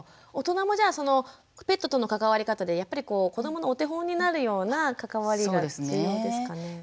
大人もじゃあそのペットとの関わり方でやっぱりこう子どものお手本になるような関わりが必要ですかね？